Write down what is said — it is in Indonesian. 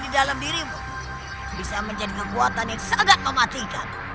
di dalam dirimu bisa menjadi kekuatan yang sangat mematikan